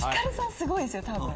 すごいですよ多分。